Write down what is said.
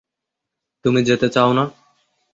তুমি যেতে চাও না।